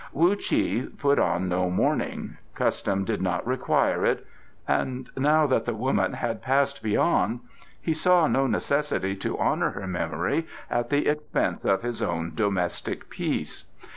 Wu Chi put on no mourning, custom did not require it; and now that the woman had Passed Beyond he saw no necessity to honour her memory at the expense of his own domestic peace.